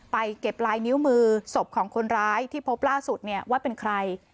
เก็บลายนิ้วมือศพของคนร้ายที่พบล่าสุดเนี่ยว่าเป็นใคร